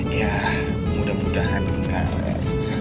ya mudah mudahan enggak